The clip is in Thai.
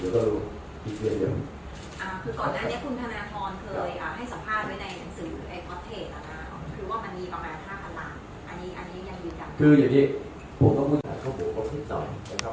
คืออย่างนี้พวกเขาบุญหาข้อมูลครบสิ้นหน่อยนะครับ